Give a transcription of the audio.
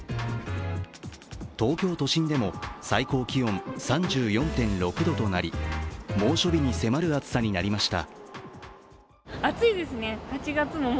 東京都心でも最高気温３４．６度となり猛暑日に迫る暑さになりました。